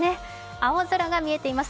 青空が見えています。